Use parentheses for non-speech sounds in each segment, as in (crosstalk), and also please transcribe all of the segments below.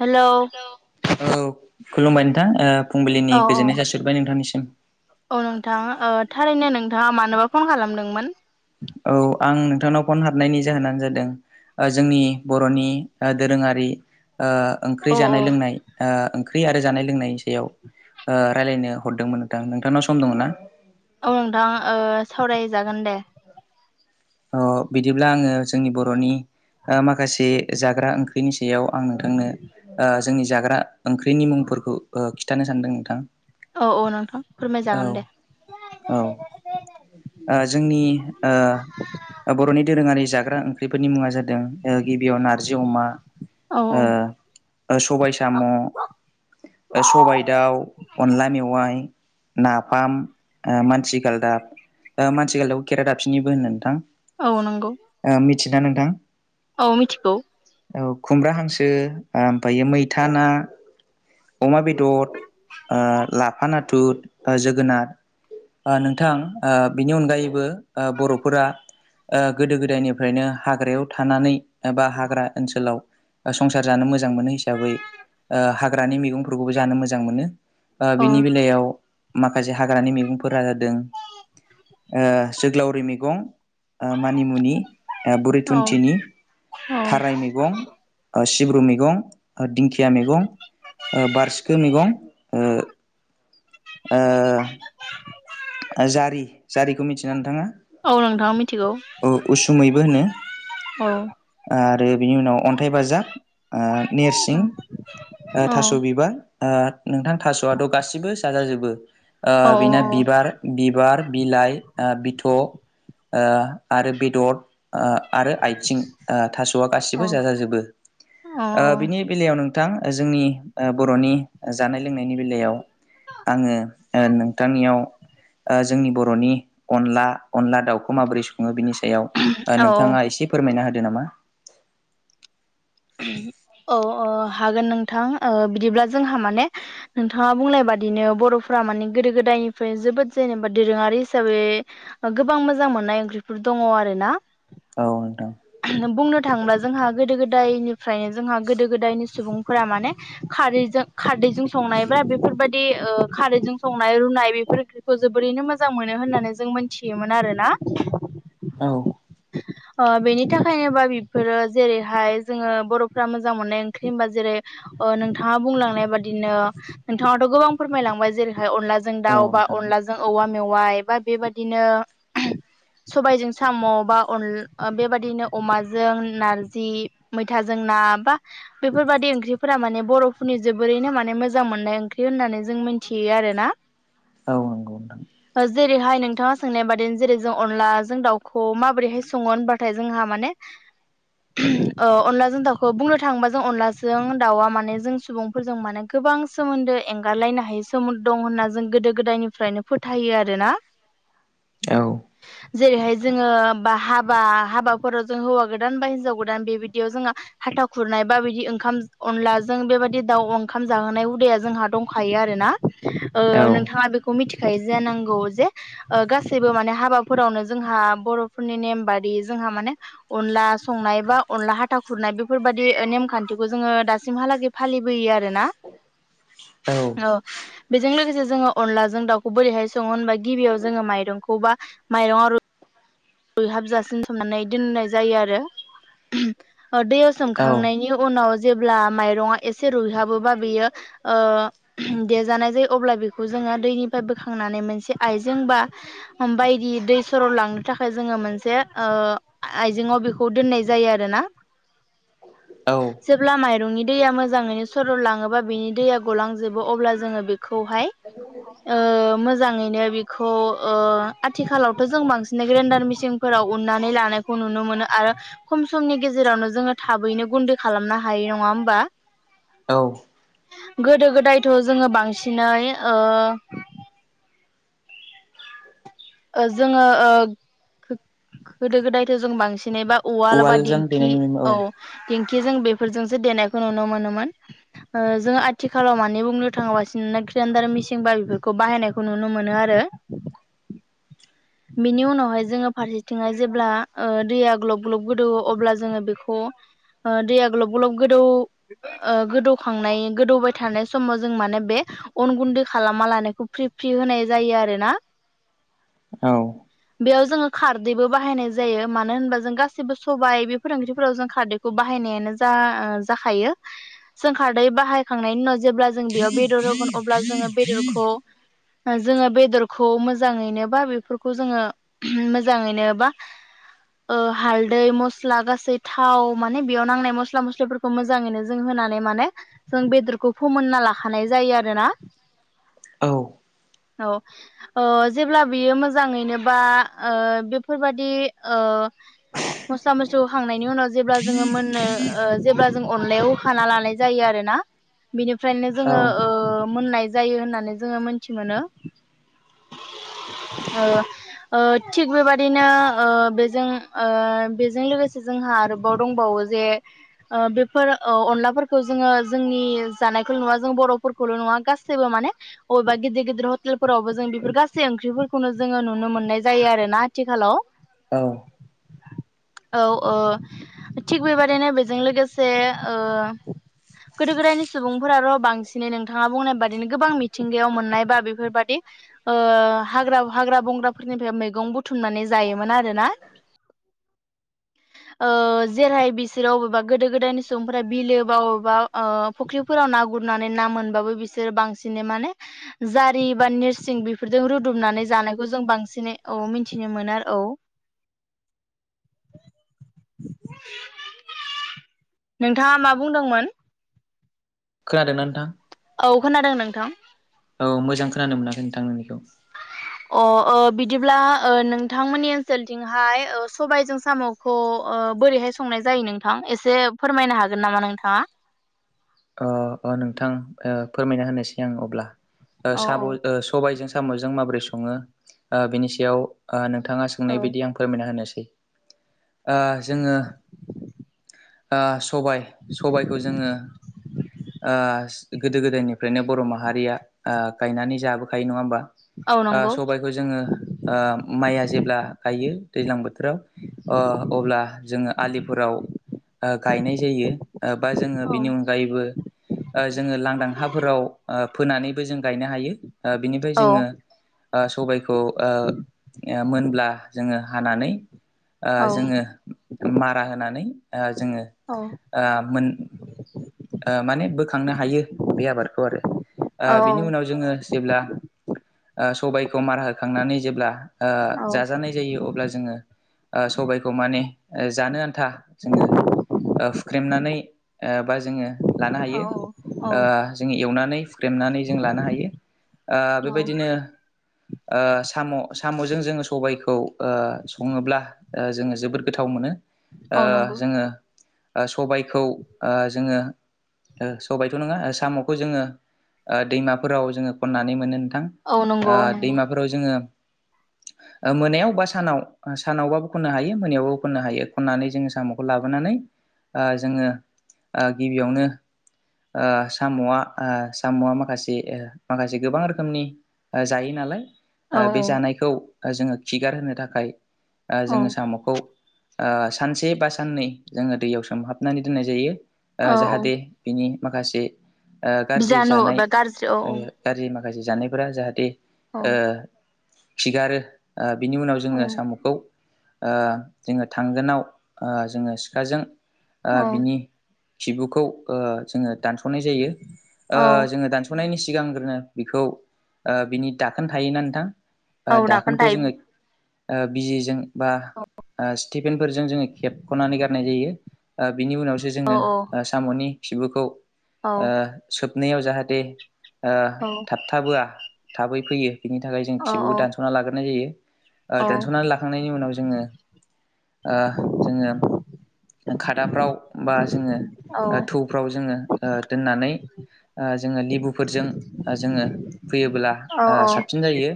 Hello औ खुलुमबाय नोंथां औ फुंबिलिनि गोजोननाय औ जासिहरबाय नोंथांनिसिम। औ नोंथां थारैनो नोंथाङा मानोबा फन खालामदोंमोन? औ आं नोंथांनाव फन हाबनायनि जाहोनानो जादों जोंनि बर'नि दोरोङारि ओ ओंख्रि औ जानाय लोंनाय ओ ओंख्रि आरो जानाय लोंनायनि सायाव ओ राय्लायनो हरदोंमोन नोंथां नोंथांनाव सम दङ ना? औ नोंथां ओ सावरायजागोन दे। अ बिदिब्ला आंङो जोंनि बर'नि ओ माखासे जाग्रा ओंख्रिनि सायाव आं नोंथांनो ओ जोंनि जाग्रा ओंख्रिनि मुंफोरखौ ओ खिथानो सानदों नोंथां। औ औ नोंथां औ फोरमायजागोन दे औ ओ जोंनि ओ बर'नि दोरोङारि जाग्रा ओंख्रिफोरनि मुंङा जादों गिबियाव नारजि अमा औ ओ औ। ओ सबाय साम' ओ सबाय दाउ अनला मेवाइ नाफाम मानसि गालदाब मानसि गालदाबखौ खेरा दाबसिनिबो होनो नोंथां। औ नंगौ। थिना नोंथां। औ मिथिगौ। औ खुमब्रा हांसो ओमफायो मैथा ना अमा बे दर ओ लाफा नाथुर ओ जोगोनार ओ नोंथां ओ बिनि अनगायैबो ओ बर'फोरा ओ गोदो गोदायनिफ्रायनो हाग्रायाव थानानै बा हाग्रा ओनसोलाव संसार जानो मोजां मोनो हिसाबै ओ हाग्रानि मैगं फोरखौबो मोनो बा औ बिनि बेलायाव माखासे हाग्रानि मैगंफोरा जादों ओ जोग्लावरि मैगं ओ मानिमुनि ओ बुरि औ थुन्थिनि औ थाराय मैगं सिब्रु मैगं दिंखिया मैगं। ओ बारसिखो मैगं ओ ओ ओ जारि जारिखौ मिथियोना नोंथांङा? औ नोंथां मिथिगौ औ उसुमैबो होनो औ आ रो बिनि उनाव अन्थाइ बाजाब। ओ नेरसिं ओ थास' बिबार ओ नोंथां थास'आथ' गासिबो जाजाजोबो ओ औ बेना बिबार बिबार बिलाइ ओ बिथ' ओ आरो बेदर ओ आरो आथिं ओ थास'आ औ गासिबो जाजाजोबो औ ओ बिनि बेलायाव नों थां जोंनि ओ बर'नि ओ जानाय लोंनायनि बेलायाव आंङो ओ नोंथांनियाव ओ जोंनि बर'नि अनला अनला दाउखौ माबोरै संङो बिनि सायाव ओ औ नोंथाङा एसे फोरमायना होदो नामा? (inaudible) औ ओ हागोन नोंथां ओ बिदिब्ला जोंहा माने नोंथांङा बुंनाय बादिनो बर'फ्रा माने गोदो गोदायनिफ्राय जोबोद जेनेबा दोरोङारि हिसाबै गोबां मोजां मोननाय ओंख्रिफोर दं। ङ आरोना औ नोंथां बुंनो थांङोबा जोंहा गोदो गो दायनिफ्रायनो जोंहा गोदो गोदायनि सुबुंफोरा माने खारैजो खारदैजों संनाय ब्रा बेफोर बायदि ओ खारैजों संनाय रुनाय बेफोर ओंख्रिखौ जोबोरैनो मोजां मोनो होननानै जों मोनथियोमोन आरो। ना? औ। ओ बेनि थाखायनोबा बेफोरो जेरैहाय जोङो बर'फ्रा मोजां मोननाय ओंख्रि होनबा जेरै ओ नोंथाङा बुंलांनाय बादिनो नोंथाङाथ' गोबां फोरमायलांबाय जेरैहाय अनलाजों औ दाउ बा नोंथां अनलाजों औवा मेवाइ बा बेबादिनो सबायजों साम' बा अन बेबादिनो अमाजों नारजि मैथाजों ना बा बेफोरबायदि ओंख्रिफोरा माने बर'फोरनि जोबोरैनो माने मोजां मोननाय ओंख्रि होननानै जों मिथियो आरो ना? औ नंगौ नोंथां। ओ जेरैहाय नोंथाङा सोंनाय बादि जेरै जों अनला जों दाउखौ माबोरैहाय संङो होनबाथाय जोंहा माने अनलाजों दाउखौ बुंनो थाङोबा जों अनलाजों दाउआ माने जों सुबुंफोरजों माने गोबां सोमोन्दो एंगारलायनो हायै सोमोन्दो दं होनना जों गोदो गोदायनिफ्रायनो फोथायो आरोना। औ। जेरैहाय जोङो बा हाबा हाबाफोराव जों हौवा गोदान बा हिनजाव गोदान बेबायदि याव जोंहा हाथा खुरनाय बा बिदि ओंखाम अनलाजों बेबायदि दाउ ओंखाम जाहोनाय हुदाया जोंहा दंखायो आरोना औ नोंथाङा बेखौ मिथिखायो जानांगौ जे गासैबो माने हाबाफोरावनो जोंहा बर'फोरनि नेम बादि जोंहा माने हाथा खुरनाय बेफोरबादि नेमखान्थिखौ जोङो दासिमहालागै फालिबोयो आरो ना। औ। औ बेजों लोगोसे जोङो अनलाजों दाउखौ बोरैहाय सङो होनबा गिबियाव जोङो माइरंखौ बा माइरं आरो बहाबजासिन सोमनानै दोननाय जायो आरो दैयाव औ सोमखांनायनि उनाव जेब्ला माइरङा एसे रुइहाबोबा बेयो देजानाय जायो अब्ला बेखौ जों दैनिफ्राय बोखांनानै मोनसे आइजें बा बायदि दै सर' लां नि थाखाय जोङो मोनसे आइजें आव बेखौ दोननाय जायो आरोना। औ। जेब्ला माइरंनि दैया मोजाङैनो सरद लाङोबा बेनि दैया गलांजोबो अब्ला जोङो बेखौहाय मोजाङैनो बेखौ आथिखालावथ' जों बांसिन ग्रेनडार मेसिनफोराव उन्नानै लानायखौ नुनो मोनो आरो खम समनि गेजेरावनो जोङो थाबैनो गुन्दै खालामनो हायो नङा होमबा? औ। गोदो गोदायथ' जोङो बांसिनै ओ जोङो गोदो गोदायथ' जों बांसिनैबा उवाल बा उवालजों दिंखि देनायनि औ दिंखिजों बे सो देनायखौ नुनो मोनोमोन जोङो आथिखालाव मानि बुंनो थाङासिनो गार मेसेंबा बेफोरखौ बाहायनायखौ नुनो मोनो आरो (unintelligible) (inaudible) बिनि उनावहाय जोङो फारसेथिंहाय जेब्ला दैया ग्लब ग्लब गोदौ अब्ला जोङो बेखौ दैया गलब गलब गोदौ गोदौखांनाय गोदौबाय थानाय समाव जों माने बे अन गुन्दै खालामा लानायखौ फ्रि फ्रि होनाय जायो आरो ना औ बेयाव जोङो खारदैबो बाहायनाय जायो मानो होनबा जों गासैबो सबायाइ बेफोर ओंख्रैफोराव जों खारदैखौ बाहाय बाहायनायानो जा जाखायो जों खारदै बाहायखांनायनि उनाव जेब्ला जों बेयाव बेदर अबला जोङो बेदरखौ मोजांयैनो बा बे फोरखौ जोङो मोजाङैनो बा ओ हालदै मस्ला गासै थाव माने बेयाव नांनाय मस्ला मस्लिफोरखौ मोजाङैनो जों होनानै माने जों बेदरखौ फोमोनना लाखानाय जायो आरोना। आ औ जेब्ला बियो मोजां मोजाङैनो बा बेफोरबायदि मस्ला मस्लि होखांनायनि उनाव जेब्ला जोङो मोननो जेब्ला जों अनलायाव होखाना लानाय जायो आरो ना। बिनिफ्रायनो जोङो ओ औ मोननाय जायो होननानै जोङो मोनथि मोनो। ओ थिग बेबादिनो ओ बेजों ओ बेजों लोगोसे जोंहा आरोबाव दंबावो जे बेफोर अनलाफोरखौ जोङो जोंनि जानायखौल' नङवा जों बर'फोरखौल' गबो माने बबेबा गिदिर गिदिर हटेलफोरावबो जों बेफोर गैसै ओंख्रिफोरखौ खौनो जोङो नुनो मोननाय जायो आरो ना आथिखालाव औ। औ ओ थिग बेबादिनो बेजों लोगोसे ओ गोदो गोदायनि सुबुंफोरार' बांसिनै नोंथाङा बुंनाय बादिनो गोबां मिथिंगायाव मोननाय बा बेफोरबादि ओ हाग्रा हाग्रा बंग्राफोरनिफ्राय मैगं बुथुमनानै जायोमोन आरो ना। ज ओ जेरहाय बिसोरो अबेबा गोदो गोदायनि सुबुंफोरा बिलो बा अबेबा ओ फुख्रिफोराव ना गुरनानै ना मोनो बिसोर बांसिन माने जरि बा नेरसिं बेफोरदों रु दुमनानै जानायखौ जों बांसिनै औ मिथिनो मोनो आरो औ। (inaudible) नोंथाङा मा बुंदोंमोन? खोनादोंना नोंथां? औ खोनादों नोंथां। औ मोजां खोनानो मोनाखै नोंथां नोंनिखौ। अह ओ बिदिब्ला नोंथांमोननि ओनसोलथिंहाय सबायजों साम'खौ ओ बोरैहाय संनाय जायो नोंथां एसे फोरमायनो हागोन नामा नोंथाङा? ओ नोंथां फोरमायना होनोसै आं अब्ला। ओ औ औ साब- सबायजों साम'जों माबोरै सङो ओ बेनि सायाव नोंथाङा औ सोंनाय बायदि आं फोरमायना होनोस सै ओ जोङो ओ स सबाय सबायखौ जोङो ओ गोदो गोदायनिफ्रायनो बर' माहारिया गायनानै जाबोखायो, नङा होमबा? औ ओ नंगौ सबायखौ जोङो ओ माइआ जेब्ला गायो दैज्लां बो थोराव ओ अब्ला जोङो आलिफोराव गायनाय जायो बा जोङो औ बिनि अनगायैबो जोङो लांदां हाफोराव फोनानैबो जों गायनो हायो बिनिफ्राय औ जोङ ओ सबायखौ ओ मोनब्ला जोङो हानानै ओ औ जोङो मारा होनानै जोङो मोन ओ माने बोखांनो हायो बे आबादखौ आरो। ओ बिनि उनाव औ जोङो जेब्ला ओसबायखौ मार होखांनानै जेब्ला ओ औ जाजानाय जायो अब्ला जोङो ओ सबायखौ माने। जानो आन्था जोङो हुख्रेमनानै बा जा जोङो लानो औ हायो। औ ओ जों एवनानै हुख्रेमनानै जों लानो हायो। ओ औ बेबायदिनो ओ साम' साम'जों जोङो सबायखौ सङोब्ला ओ जोङो जोबोद गोथाव मोनो। ओ औ नंगौ जोङो ओ सबायखौ ओ जोङो ओ सबायथ' नङा साम'खौ जोङो ओ दैमाफोराव जोङो खननानै मोनो नों थां। औ ओ नंगौ औ नंगौ दैमाफोराव जोङो मोनायाव बा सानाव सानावबाबो खननो हायो, मोनायावबाबो खननो हायो। खननानै जोङो साम'खौ लाबोनानै ओ जोङो ओ गिबियावनो ओह साम'आ ओह साम'आ माखासे ओ माखासे गोबां रोखोमनि जायो नालाय। औ ओह बे जानायखौ ओह जोङो खिगार होनो थाखाय ओह औ जोङो साम'खौ ओह सानसे बा साननै जोङो दैयाव सोमहाबनानै दोननाय जायो। ओह औ औ जाहाथे बिनि माखासे ओह गाज्रि बिजानु जानाय एबा गाज्रि औ गाज्रि मा खासे जानायफोरा जाहाथे औ ओह खिगारो। ओह बिनि उनाव औ जोङो साम'खौ ओह जोङो थांगोनाव ओह जोङो सिखाजों औ ओह बिनि खिबुखौ ओह जोङो दानस'नाय जायो औ ओह जोङो दानस'नायनि सिगांग्रोनो बेखौ ओह बिनि दाखोन थायोना नोंथां। ओह औ दाखोन दाखोनखौ थायो जोङो बिजिजों बा औ स्टिफेनफोरजों जोङो खेबख'नानै गारनाय जायो ओह बिनि उनावसो जोङो औ ओह साम'नि खिबुखौ औ सोबनायाव ओह जाहाथे ओह थाबथाबोआ थाबै फैयो बेनि थाखाय जों औ खिबुखौ दानस'ना लाग्रोनाय जायो। ओह औ दानस'नानै लाखांनायनि उनाव जोङो ओह जोङो खादाफ्राव बा जोङो औ ओह थौफोराव दोननानै ओह जोङो लिबु लिबुफोरजों जोङो हुयोब्ला औ नंगौ औ साबसिन जायो।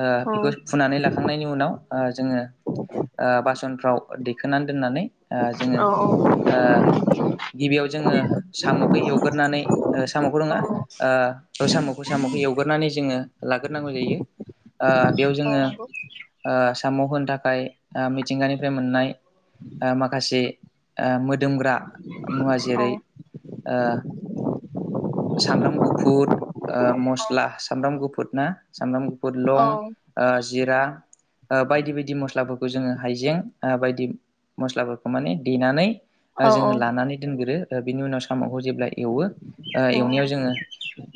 ओह बेखौ हुनानै लाखांनायनि उनाव ओह जोङो ओह बासनफ्राव दैखोनानै दोननानै ओह जोङो ओह गिबियाव जोङो साम'खौ एवग्रोनानै ओह साम'खौ नङा ओह साम'खौ साम'खौ ए एवग्रोनानै जोङो लाग्रोनांगौ जायो ओह बेयाव जोङो ओह मावहोनो थाखाय मिथिंगानिफ्राय मोननाय ओह माखासे ओह दोनग्रा मुवा जेरै ओह सामब्राम गुफुर ओह मस्ला सामब्राम सामब्राम गुफुर ना सामब्राम गुफुर ओह लं जिरा बायदि बायदि मस्लाफोरखौ जोङो हाइजें बायदि मस्लाफोरखौ माने देनानै औ औ। दोनग्रो ओह बिनि उनाव साम'खौ जेब्ला एवो ओह औ एवनायाव जोङो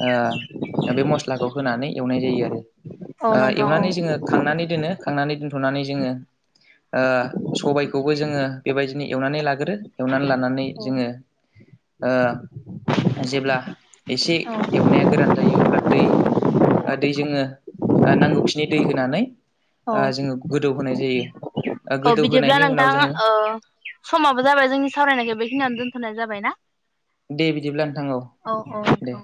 ओह बे मस्लाखौ होनानै एवनाय जायो आरो। औ ओह नोंथां औ एवनानै जोङो खांनानै दोनो खांनानै दोनथ'नानै जोङो ओह सबायखौबो जोङो बेबायदिनो एवनानै लाग्रो एवनानै लानानै जोङो ओह जेब्ला एसे औ एवनाया गोरान जायो अब्ला दै ओह दै जोङो ओह नांगौखिनि दै होनानै औ ओह जोङो गोदौ होनो होनाय जायो। औ बिदिब्ला गोदौहोनायनि उनाव नोंथां जोङो ओ समाबो जाबाय जोंनि सावरायनायखौ बेखिनियावनो दोनथ'नाय जाबाय ना? दे बिदिब्ला नोंथां औ दे।